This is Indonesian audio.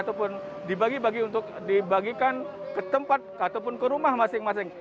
ataupun dibagi bagi untuk dibagikan ke tempat ataupun ke rumah masing masing